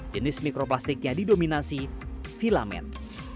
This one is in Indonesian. jenis mikroplastik yang didominasi filament